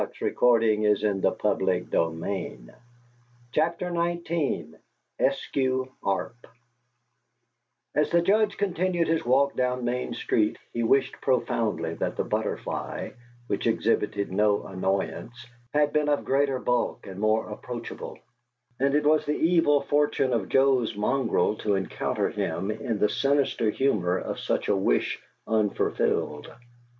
He raised his foot and half kicked at it. XIX ESKEW ARP As the Judge continued his walk down Main Street, he wished profoundly that the butterfly (which exhibited no annoyance) had been of greater bulk and more approachable; and it was the evil fortune of Joe's mongrel to encounter him in the sinister humor of such a wish unfulfilled.